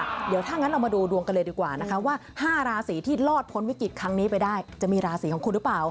เดี๋ยวถ้างั้นเรามาดูดวงกันเลยดีกว่านะคะว่า๕ราศีที่รอดพ้นวิกฤตครั้งนี้ไปได้จะมีราศีของคุณหรือเปล่า